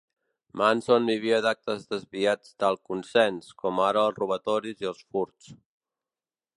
Manson vivia d'actes desviats d'alt consens, com ara els robatoris i els furts.